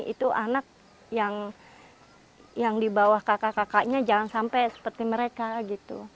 itu anak yang di bawah kakak kakaknya jangan sampai seperti mereka gitu